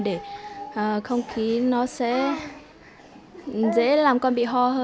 để không khí nó sẽ dễ làm con bị hóa